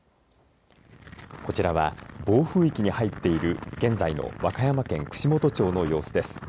こちらは暴風域に入っている現在の和歌山県串本町の様子です。